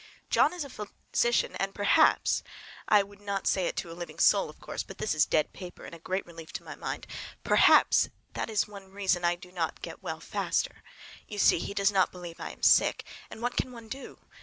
John is a physician, and perhaps—(I would not say it to a living soul, of course, but this is dead paper and a great relief to my mind)—perhaps that is one reason I do not get well faster. You see, he does not believe I am sick! And what can one do?